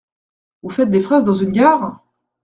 Vous faites des phrases dans une gare !